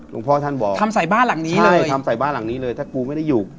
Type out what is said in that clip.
ลงพ่อท่านบอกใช่ทำใส่บ้านหลังนี้เลยถ้าพูดไม่ได้อยู่